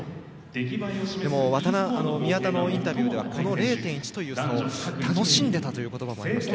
宮田のインタビューではこの０．１という差を楽しんでいたという言葉もありました。